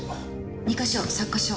２か所擦過傷。